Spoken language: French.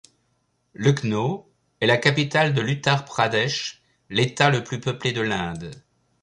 Lucknow est la capitale de l'Uttar Pradesh, l'état le plus peuplé de l'Inde.